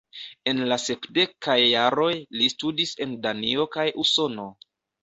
En la sepdekaj jaroj, li studis en Danio kaj Usono.